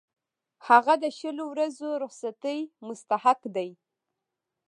هغه د شلو ورځو رخصتۍ مستحق دی.